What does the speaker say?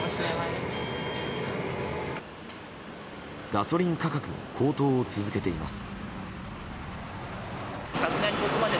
ガソリン価格も高騰を続けています。